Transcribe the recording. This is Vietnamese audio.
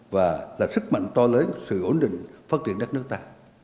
và là sức mạnh to lớn của sự ổn định phát triển đất nước ta